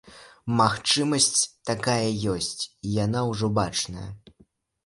Магчымасць такая ёсць, і яна ўжо бачная.